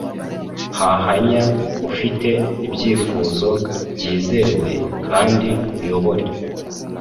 huhanya ufite ibyifuzo byizewe, kandi uyobore